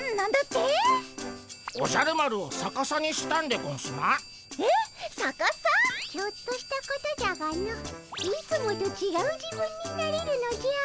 ちょっとしたことじゃがのいつもとちがう自分になれるのじゃ。